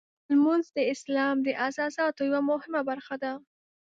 لمونځ د اسلام د اساساتو یوه مهمه برخه ده.